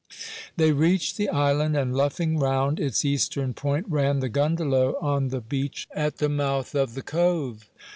They reached the island, and luffing round its eastern point, ran the "gundelow" on the beach at the mouth of the cove.